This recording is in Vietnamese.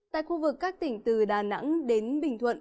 tại khu vực các tỉnh từ đà nẵng đến bình thuận